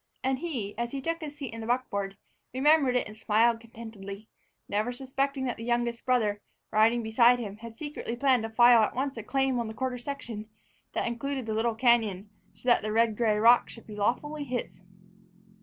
And he, as he took his seat in the buckboard, remembered it and smiled contentedly, never suspecting that the youngest brother, riding beside him, had secretly planned to file at once a claim on the quarter section that included the little cañon so that the red gray rock should be lawfully his.